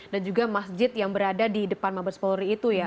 dan juga masjid yang berada di depan mabers polri itu ya